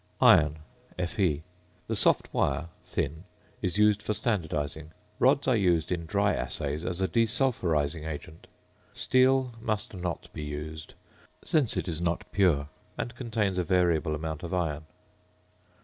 ~Iron~, Fe. The soft wire (thin) is used for standardising. Rods are used in dry assays as a desulphurising agent. Steel must not be used, since it is not pure, and contains a variable amount of iron.